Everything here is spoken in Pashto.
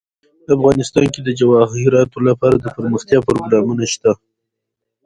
افغانستان کې د جواهرات لپاره دپرمختیا پروګرامونه شته.